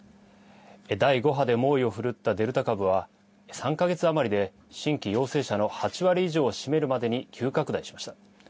第５波で猛威を振るったデルタ株は３か月余りで新規陽性者の８割以上を占めるまでに急拡大しました。